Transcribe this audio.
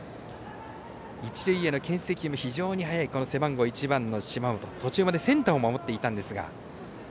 一塁へのけん制球も非常に速いこの背番号１番の芝本途中までセンターを守っていたんですが。